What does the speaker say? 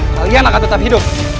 kalian akan tetap hidup